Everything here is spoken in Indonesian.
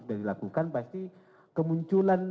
dilakukan pasti kemunculan